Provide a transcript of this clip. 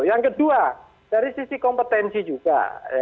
yang kedua dari sisi kompetensi juga